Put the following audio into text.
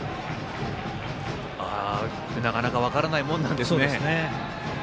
なかなか分からないものなんですね。